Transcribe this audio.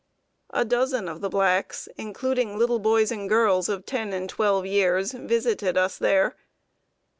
A dozen of the blacks including little boys and girls of ten and twelve years visited us there.